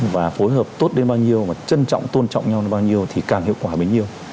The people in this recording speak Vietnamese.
và phối hợp tốt đến bao nhiêu mà trân trọng tôn trọng nhau bao nhiêu thì càng hiệu quả mình nhiều